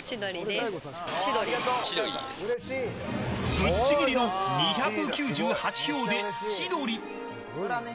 ぶっちぎりの２９８票で千鳥。